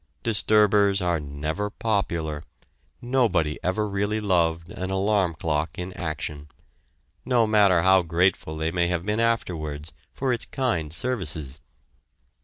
Disturbers are never popular nobody ever really loved an alarm clock in action no matter how grateful they may have been afterwards for its kind services!